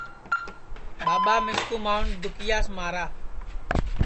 ٻاٻا مِسکُو مانٚؤن دُکِیاس مارا